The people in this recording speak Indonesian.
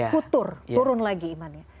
futur turun lagi imannya